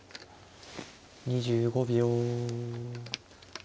２５秒。